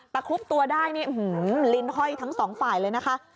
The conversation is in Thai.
แต่คุบตัวได้นี่ลินห้อยทั้งสองฝ่ายเลยนะคะ